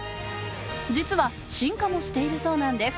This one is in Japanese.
実は、進化もしているそうなんです。